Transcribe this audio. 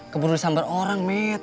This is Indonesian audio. kebunur sambar orang men